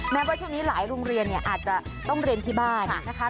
แม้ว่าช่วงนี้หลายโรงเรียนเนี่ยอาจจะต้องเรียนที่บ้านนะคะ